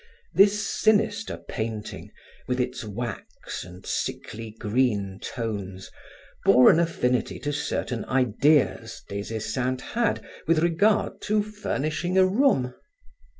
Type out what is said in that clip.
This sinister painting, with its wax and sickly green tones, bore an affinity to certain ideas Des Esseintes had with regard to furnishing a room.